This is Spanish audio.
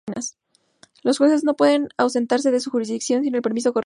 Los jueces no pueden ausentarse de su jurisdicción sin el permiso correspondiente.